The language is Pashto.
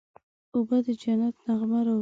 اوبه د جنت نغمه راوړي.